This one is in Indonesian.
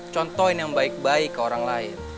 contohin yang baik baik ke orang lain